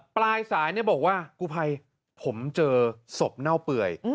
ปลายสายบอกว่ากูภัยผมเจอศพเน่าเปื่อย